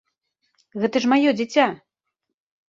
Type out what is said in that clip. Гэта ж маё дзіця!